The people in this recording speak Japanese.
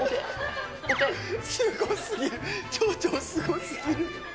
すごすぎる、チョウチョウ、すごすぎる。